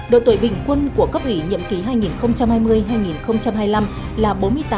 độ tuổi bình quân của cấp ủy nhiệm kỷ hai nghìn hai mươi hai nghìn hai mươi năm là bốn mươi tám tám mươi hai